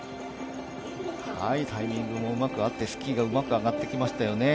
タイミングもうまく合って、スキーがうまく上がってきましたよね。